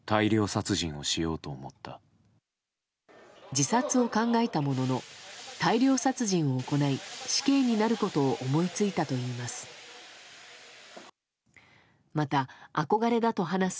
自殺を考えたものの大量殺人を行い死刑になることを思いついたといいます。